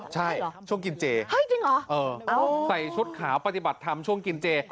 ใช่ช่วงกินเจใส่ชุดขาวปฏิบัติธรรมช่วงกินเจ